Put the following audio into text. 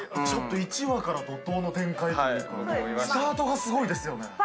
ちょっと１話から怒とうの展開というかスタートがすごいですよね。